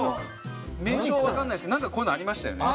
名称わからないですけどなんかこういうのありましたよね。